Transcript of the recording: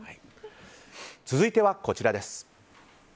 続いてはこちらです。